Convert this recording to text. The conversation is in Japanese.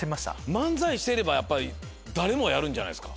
漫才してれば誰もがやるんじゃないですか。